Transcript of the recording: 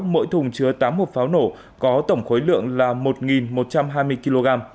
mỗi thùng chứa tám hộp pháo nổ có tổng khối lượng là một một trăm hai mươi kg